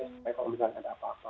supaya kalau misalkan ada apa apa